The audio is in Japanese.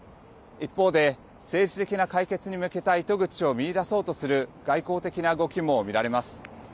一方で政治的な解決に向けた糸口を見いだそうとする外交的な動きも見られます。